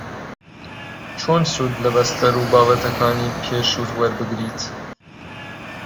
چۆن سوود لە بەستەر و بابەتەکانی پێشووت وەربگریت